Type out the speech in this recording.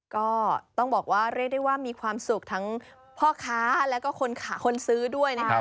ก็ต้องบอกว่าเรียกได้ว่ามีความสุขทั้งพ่อค้าแล้วก็คนซื้อด้วยนะครับ